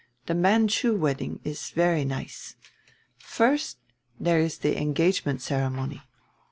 The Manchu wedding is very nice. First there is the engagement ceremony.